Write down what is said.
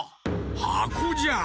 はこじゃ。